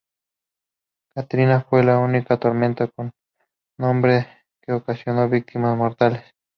Katrina fue la única tormenta con nombre que ocasionó víctimas mortales.